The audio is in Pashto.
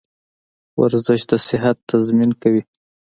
ورزش د صحت تضمین کوي.